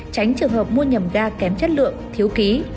tránh trường hợp mua nhầm ga kém chất lượng thiếu ký